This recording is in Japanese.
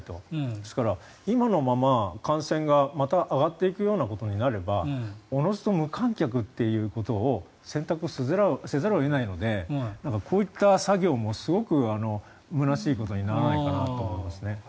ですから、今のまま感染がまた上がっていくようなことになればおのずと無観客ということを選択せざるを得ないのでこういった作業もすごく空しいことにならないかなと思いますね。